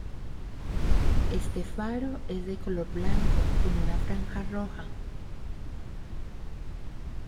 Este faro es de color blanco con una franja roja.